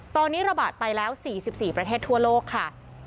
ตอนนี้ระบาดไปแล้ว๔๔ประเทศทั่วโลกค่ะ